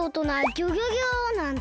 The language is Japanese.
ギョギョ